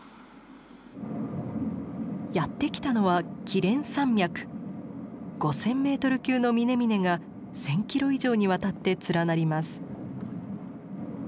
やって来たのは５，０００ｍ級の峰々が１，０００ｋｍ以上にわたって連なります。